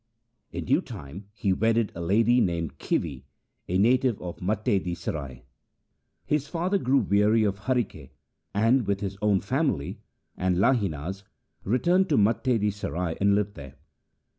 In due time he wedded a lady called Khivi, a native of Matte di Sarai. His father grew weary of Harike, and with his own family and Lahina's returned to Matte di Sarai and lived there.